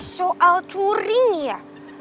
soal turing ya